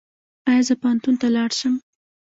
ایا زه پوهنتون ته لاړ شم؟